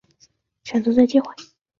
选择的机会